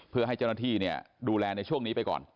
เพื่อให้เจ้าหน้าที่ดูแลในช่วงนี้ไปก่อน